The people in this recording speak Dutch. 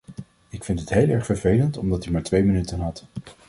Ik vind het heel erg vervelend omdat u maar twee minuten had.